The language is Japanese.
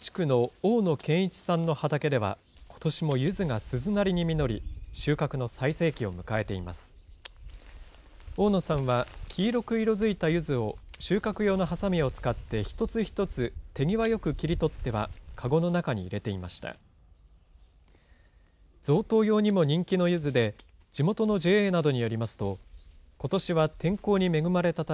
大野さんは黄色く色づいたゆずを、収穫用のはさみを使って一つ一つ手際よく切り取っては、籠の中に入れていました。